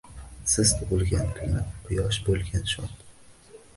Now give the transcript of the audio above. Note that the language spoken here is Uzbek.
Siz tug’ilgan kuni Quyosh bo’lgan shod.